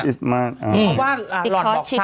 เพราะว่าหลอดบอกฉัน